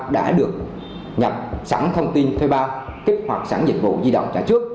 đã được nhập sẵn thông tin thuê bao kích hoạt sẵn dịch vụ di động trả trước